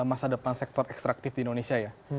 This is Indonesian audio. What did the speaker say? masa depan sektor ekstraktif di indonesia ya